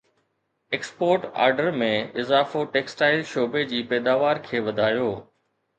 export order ۾ اضافو textile شعبي جي پيداوار کي وڌايو